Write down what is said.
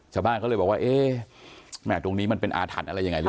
ชาวบ้านเขาเลยบอกว่าตรงนี้มันเป็นอาถรรพ์อะไรหรือเปล่า